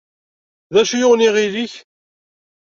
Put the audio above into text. D acu i yuɣen iɣil-ik?